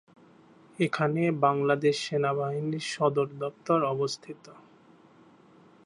এখানে বাংলাদেশ সেনাবাহিনীর সদর দপ্তর অবস্থিত।